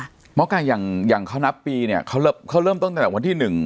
หมอไก่อย่างเขานับปีเนี่ยเขาเริ่มต้นตั้งแต่วันที่หนึ่ง